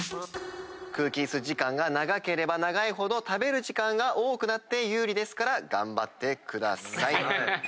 空気椅子時間が長ければ長いほど食べる時間が多くなって有利ですから頑張ってください。